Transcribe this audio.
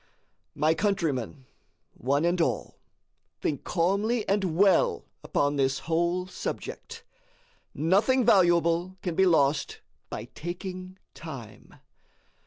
My countrymen, one and all, think calmly and WELL upon this whole subject. Nothing valuable can be lost by taking time.